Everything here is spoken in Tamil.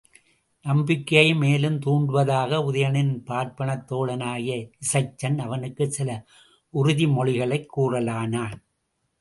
நம்பிக்கையை மேலும் துண்டுவதற்காக உதயணனின் பார்ப்பனத் தோழனாகிய இசைச்சன் அவனுக்குச் சில உறுதி மொழிகளைக் கூறலானான்.